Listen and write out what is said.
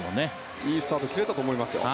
いいスタート切れたと思いますよ。